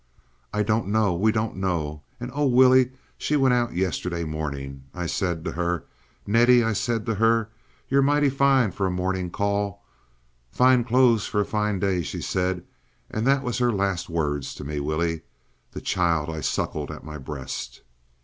"I don't know—we don't know. And oh, Willie, she went out yesterday morning! I said to her, 'Nettie,' I said to her, 'you're mighty fine for a morning call.' 'Fine clo's for a fine day,' she said, and that was her last words to me!—Willie!—the child I suckled at my breast!"